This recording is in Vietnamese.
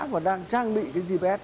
và đang trang bị cái gps